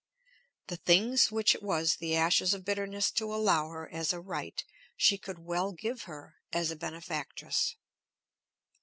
The things which it was the ashes of bitterness to allow her as a right, she could well give her as a benefactress.